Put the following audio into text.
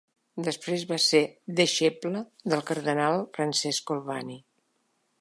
Després va ser deixeble del cardenal Francesco Albani.